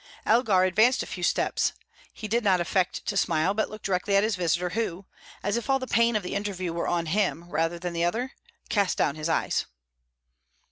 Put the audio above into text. Elgar advanced a few steps. He did not affect to smile, but looked directly at his visitor, who as if all the pain of the interview were on him rather than the other cast down his eyes.